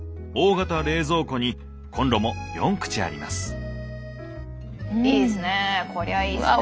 大型冷蔵庫にコンロも４口あります。